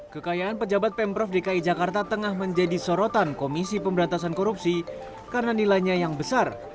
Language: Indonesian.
kekayaan pejabat pemprov dki jakarta tengah menjadi sorotan komisi pemberantasan korupsi karena nilainya yang besar